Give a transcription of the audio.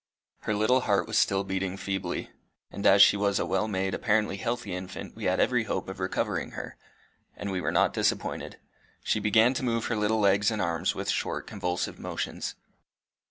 Her little heart was still beating feebly; and as she was a well made, apparently healthy infant, we had every hope of recovering her. And we were not disappointed. She began to move her little legs and arms with short, convulsive motions.